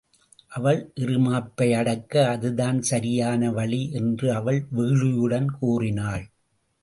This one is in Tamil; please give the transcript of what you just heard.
அவள் இறுமாப்பை அடக்க அதுதான் சரியான வழி என்று அவள் வெகுளியுடன் கூறினாள்.